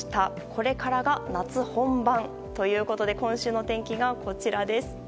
これからが夏本番ということで今週の天気がこちらです。